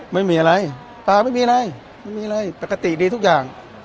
ไม่มีอะไรปากไม่มีอะไรไม่มีอะไรปกติดีทุกอย่าง